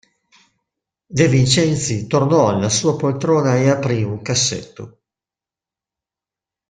De Vincenzi tornò alla sua poltrona e aprì un cassetto.